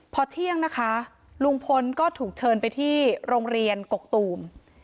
พอเที่ยงนะคะลุงพลก็ถูกเชิญไปที่โรงเรียนกกตูม